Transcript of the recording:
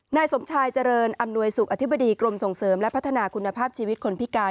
นายสมชายเจริญอำนวยสุขอธิบดีกรมส่งเสริมและพัฒนาคุณภาพชีวิตคนพิการ